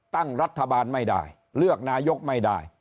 ตั้งรัฐบาลไม่ได้เลือกนายกไม่ได้